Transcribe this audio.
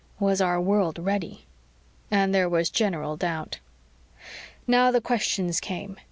Was our world ready? And there was general doubt. Now the questions came.